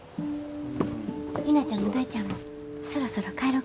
陽菜ちゃんも大ちゃんもそろそろ帰ろか。